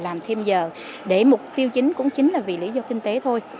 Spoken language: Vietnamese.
làm thêm giờ để mục tiêu chính cũng chính là vì lý do kinh tế thôi